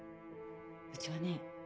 うちはね